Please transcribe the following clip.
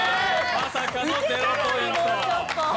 まさかの０ポイント。